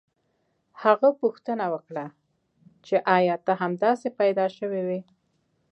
هغه پوښتنه وکړه چې ایا ته همداسې پیدا شوی وې